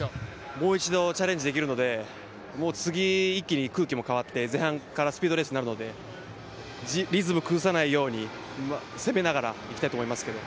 もう一度チャレンジできるので、次、一気に空気も変わって前半からスピードレースになるので、リズム崩さないように攻めながらいきたいと思いますけど。